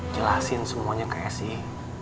jelasin semuanya ke esy